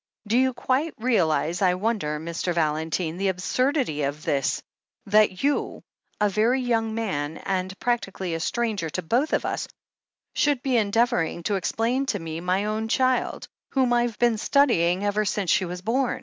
Do you quite realize, I wonder, Mr. Valentine, the absurdity of this ti. THE HEEL OF ACHILLES 397 — ^that you — ^a very young man, and practically a stranger to both of us — should be endeavouring to ex plain to me my own child, whom Fve been studying ever since she was bom?"